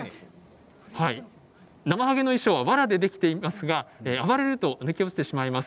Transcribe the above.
なまはげの衣装はわらでできていますが、暴れると抜け落ちてしまいます。